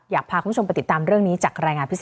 อยากพาคุณผู้ชมไปติดตามเรื่องนี้จากรายงานพิเศษ